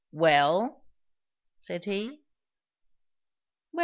"Well? " said he. "Well.